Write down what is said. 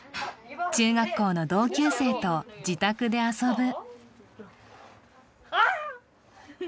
中学校の同級生と自宅で遊ぶ。